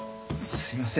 すいません。